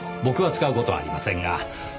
僕は使う事はありませんが。